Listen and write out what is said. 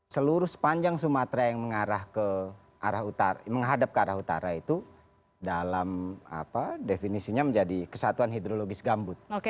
seluruh sepanjang sumatera yang mengarah ke arah menghadap ke arah utara itu dalam definisinya menjadi kesatuan hidrologis gambut